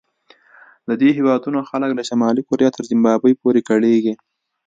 د دې هېوادونو خلک له شمالي کوریا تر زیمبابوې پورې کړېږي.